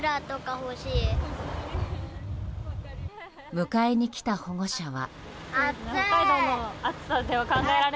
迎えに来た保護者は。